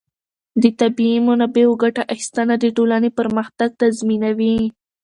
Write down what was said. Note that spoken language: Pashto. د طبیعي منابعو ګټه اخیستنه د ټولنې پرمختګ تضمینوي.